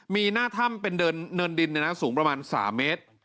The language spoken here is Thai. มีหน้าถ้ำเป็นเนินดินสูงประมาณ๓เมตร